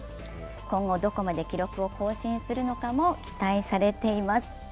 今後、どこまで記録を更新するかも期待されています。